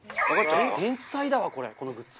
天才だわこれこのグッズ。